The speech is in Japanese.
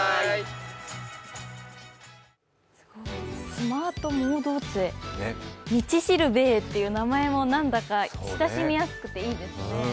スマート盲導杖道しる兵衛という名前も何だか親しみやすくていいですね。